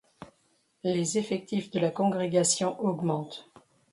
Les effectifs de la congrégation augmentent.